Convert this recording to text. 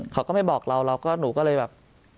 เขาก็ไม่บอกเราเราก็หนูก็เลยแบบ